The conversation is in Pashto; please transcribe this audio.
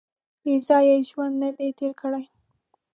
• بېځایه یې ژوند نهدی تېر کړی.